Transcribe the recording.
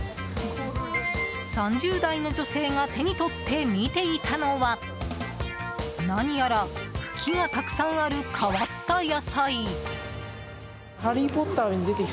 ３０代の女性が手に取って見ていたのは何やら茎がたくさんある変わった野菜。